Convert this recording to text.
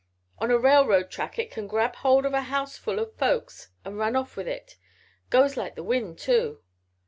"On a railroad track it can grab hold of a house full o' folks and run off with it. Goes like the wind, too."